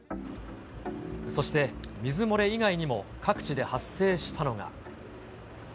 そして、水漏れ以外にも各地で発生したのが。